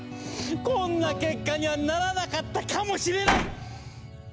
こんな結果にはならなかったかもしれない！